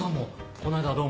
この間はどうも。